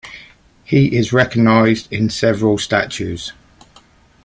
He is recognized in several statues.